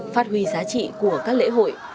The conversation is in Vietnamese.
phát huy giá trị của các lễ hội